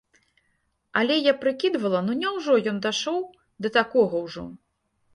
Але я прыкідвала, ну няўжо ён дайшоў да такога ўжо?